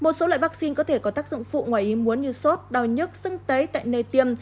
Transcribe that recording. một số loại vaccine có thể có tác dụng phụ ngoài ý muốn như sốt đau nhức xưng tấy tại nơi tiêm